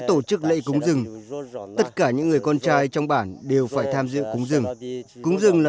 tổ chức lễ cúng rừng tất cả những người con trai trong bản đều phải tham dự cúng rừng cúng rừng là